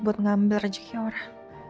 buat ngambil rejeki orang